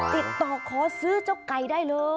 ติดต่อขอซื้อเจ้าไก่ได้เลย